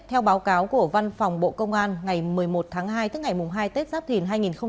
theo báo cáo của văn phòng bộ công an ngày một mươi một tháng hai tức ngày hai tết giáp thìn hai nghìn hai mươi bốn